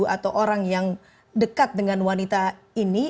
atau orang yang dekat dengan wanita ini